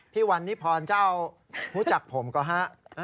พี่วันนิพรเจ้ารู้จักผมก็ฮะ